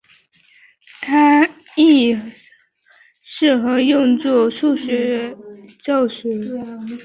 它亦适合用作数学教学。